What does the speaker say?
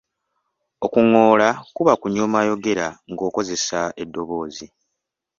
Okuŋoola kuba kunyooma ayogera ng’okozesa eddoboozi.